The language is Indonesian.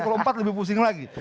kalau empat lebih pusing lagi